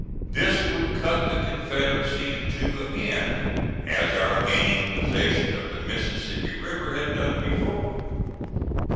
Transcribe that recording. This would cut the Confederacy in two again, as our gaining possession of the Mississippi River had done before.